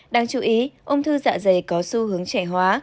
đáng chú ý ung thư dạ dày có xu hướng trẻ hóa